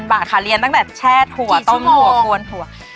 บาทค่ะเรียนตั้งแต่แช่ถั่วต้มถั่วกวนถั่ว